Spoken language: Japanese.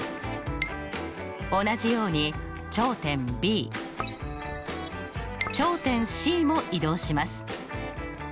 同じように頂点Ｂ頂点Ｃも移動します。